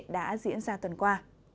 đã diễn ra tuần qua